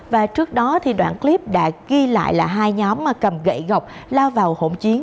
và trước đó đoạn clip đã ghi lại là hai nhóm mà cầm gậy gọc lao vào hỗn chiến